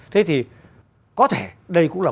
thế thì có thể đây cũng là